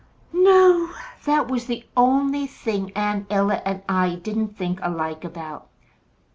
"No. That was the only thing Aunt Ella and I didn't think alike about.